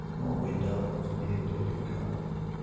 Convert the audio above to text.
"What window?" said the irritated Colonel.